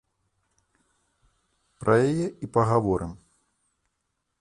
Пра яе і пагаворым.